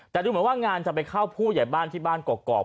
แต่ดูเหมือนว่างานจะไปเข้าผู้ใหญ่บ้านที่บ้านกรอก